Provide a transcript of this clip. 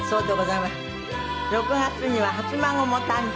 ６月には初孫も誕生。